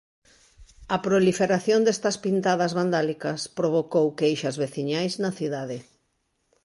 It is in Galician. A proliferación destas pintadas vandálicas provocou queixas veciñais na cidade.